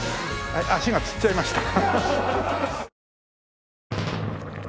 足がつっちゃいました。